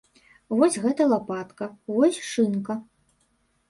Вось гэта лапатка, вось шынка.